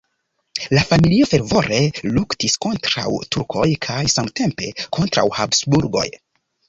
La familio fervore luktis kontraŭ turkoj kaj samtempe kontraŭ Habsburgoj.